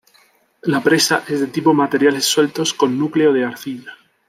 La presa es de tipo materiales sueltos, con núcleo de arcilla.